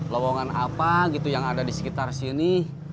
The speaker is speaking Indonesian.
lowongan apa gitu yang ada di sekitar sini